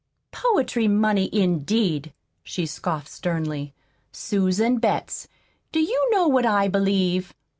"Poetry money, indeed!" she scoffed sternly. "Susan Betts, do you know what I believe?